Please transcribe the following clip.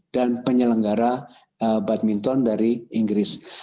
dan penyelenggara badminton dari inggris